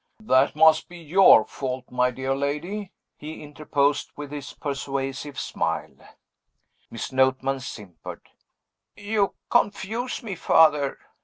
"That must be your fault, my dear lady!" he interposed, with his persuasive smile. Miss Notman simpered. "You confuse me, Father!"